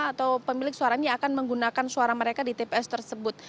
atau pemilik suaranya akan menggunakan suara mereka di tps tersebut